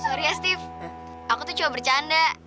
sorry ya steve aku tuh cuma bercanda